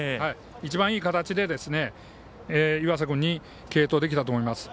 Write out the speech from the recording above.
一番いい形で岩佐君に継投できたと思います。